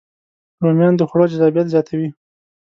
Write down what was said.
رومیان د خوړو جذابیت زیاتوي